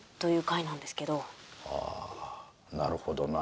ああなるほどな。